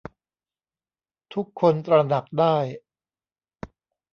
ทุกคนตระหนักได้